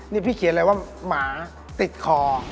นี่พี่เขียนเลยว่าหมาติดคอ